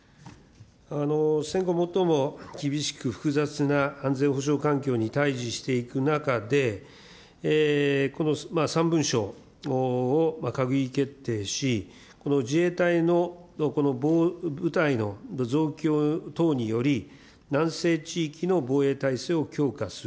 戦後、最も厳しく複雑な安全保障環境に対じしていく中で、３文書を閣議決定し、自衛隊の部隊の増強等により、南西地域の防衛態勢を強化する。